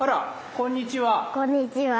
こんにちは。